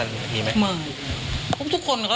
มีการทะเลาะกันมีไหม